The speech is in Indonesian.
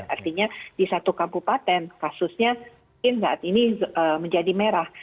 artinya di satu kabupaten kasusnya mungkin saat ini menjadi merah